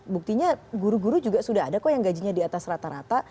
buktinya guru guru juga sudah ada kok yang gajinya di atas rata rata